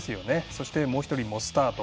そして、もう１人、モスタート。